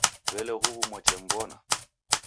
W'ele huwu mwachemw'ona?